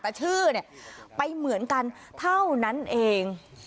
แต่ชื่อเนี่ยไปเหมือนกันเท่านั้นเอง